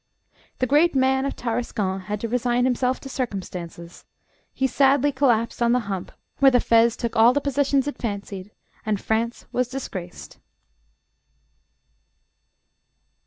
The great man of Tarascon had to resign himself to circumstances. He sadly collapsed on the hump, where the fez took all the positions it fancied, and France was disgraced.